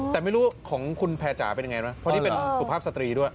แต่ไม่รู้ของคุณแพรจ๋าเป็นยังไงวะเพราะนี่เป็นสุภาพสตรีด้วย